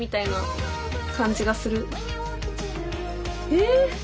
え。